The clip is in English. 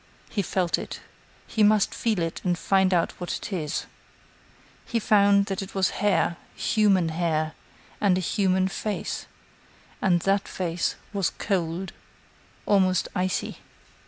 He felt it. He must feel it and find out what it is. He found that it was hair, human hair, and a human face; and that face was cold, almost icy.